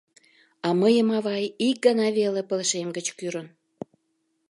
А мыйым авай ик гана веле пылышем гыч кӱрын.